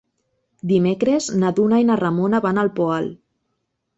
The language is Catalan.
Dimecres na Duna i na Ramona van al Poal.